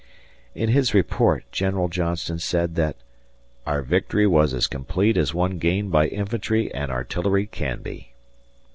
In his report General Johnston said that "our victory was as complete as one gained by infantry and artillery can be."